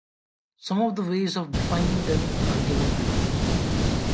Some of the ways of defining them are given below.